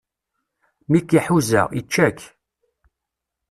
Mi k-iḥuza, ičča-k.